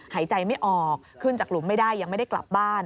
หายใจไม่ออกขึ้นจากหลุมไม่ได้ยังไม่ได้กลับบ้าน